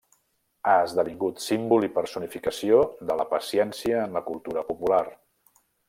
Ha esdevingut símbol i personificació de la paciència en la cultura popular.